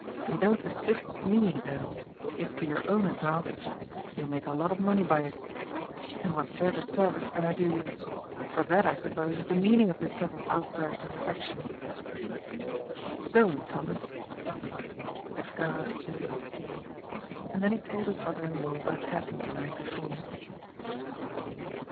" You don't assist me, though. It's to your own advantage. You'll make a lot of money by it. And what further service can I do you ? For that, I suppose, is the meaning of this sudden outburst of affection." ^* Don't, Thomas," said Hendrik, with a gasp as if of pain. And then he told his brother in law what had hap pened the night before.